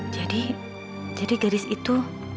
jadi jadi gadis itu